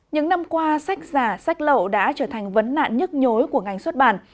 những năm qua sách giả sách lậu đã trở thành vấn nạn nhức nhối của ngành xuất bản